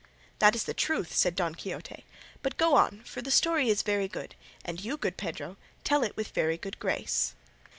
"That is the truth," said Don Quixote; "but go on, for the story is very good, and you, good Pedro, tell it with very good grace."